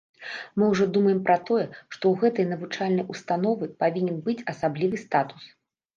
Мы ўжо думаем пра тое, што ў гэтай навучальнай установы павінен быць асаблівы статус.